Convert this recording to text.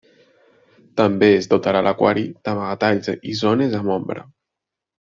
També es dotarà l'aquari d'amagatalls i zones amb ombra.